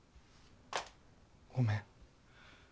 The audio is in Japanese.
ごめん。